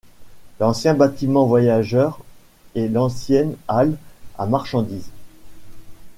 L'ancien bâtiment voyageurs et l'ancienne halle à marchandises.